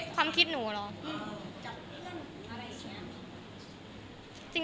ความคิดหนูหรอ